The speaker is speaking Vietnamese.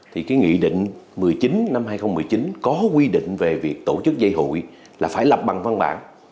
thì cái nghị định một mươi chín năm hai nghìn một mươi chín có quy định về việc tổ chức dây hụi là phải lập bằng văn bản